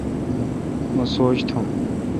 مہ سوچ تھم۔